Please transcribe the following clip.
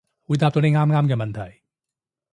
會答到你啱啱嘅問題